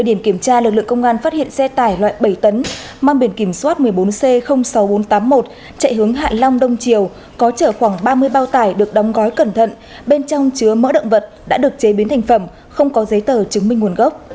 điểm kiểm tra lực lượng công an phát hiện xe tải loại bảy tấn mang biển kiểm soát một mươi bốn c sáu nghìn bốn trăm tám mươi một chạy hướng hạ long đông triều có chở khoảng ba mươi bao tải được đóng gói cẩn thận bên trong chứa mỡ động vật đã được chế biến thành phẩm không có giấy tờ chứng minh nguồn gốc